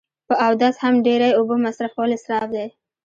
په اودس هم ډیری اوبه مصرف کول اصراف دی